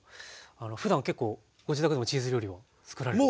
ふだん結構ご自宅でもチーズ料理をつくられてますか？